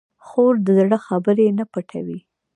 خور د زړه خبرې نه پټوي.